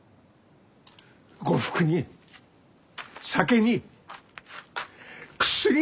呉服に酒に薬まで。